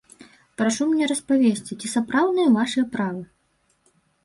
Прашу мне распавесці, ці сапраўдныя вашыя правы?